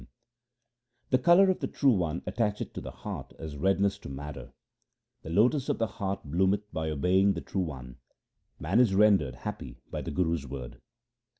HYMNS OF GURU AMAR DAS 243 The colour of the True One attacheth to the heart as redness to madder. The lotus of the heart bloometh by obeying the True One ; man is rendered happy by the Guru's word.